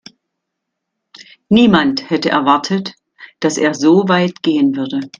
Niemand hätte erwartet, dass er so weit gehen würde.